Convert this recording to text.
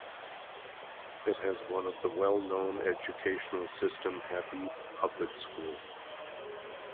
It has one of the well known educational system Habib Public School.